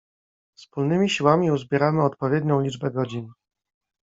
Wspólnymi siłami uzbieramy odpowiednią liczbę godzin.